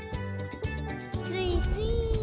スイスイ。